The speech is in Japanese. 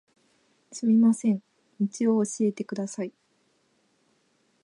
すみません、道を教えてください。